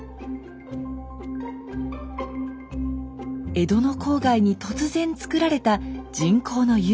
江戸の郊外に突然つくられた人工の遊郭。